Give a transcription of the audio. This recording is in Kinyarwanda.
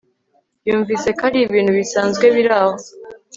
yumvise ko ari ibintu bisanzwe biraho